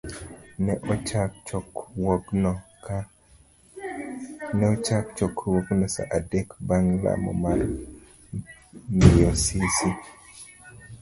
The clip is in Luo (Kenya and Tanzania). Ne ochak chokruogno sa adek bang' lamo mar miyo Sisi.